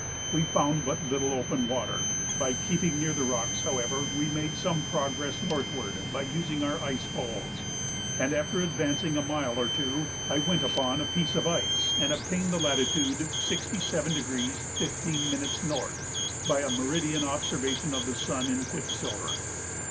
We found but little open water; by keeping near the rocks, however, we made some progress northward by using our ice poles, and after advancing a mile or two I went upon a piece of ice and obtained the latitude 67° 15' N. by a meridian observation of the sun in quicksilver.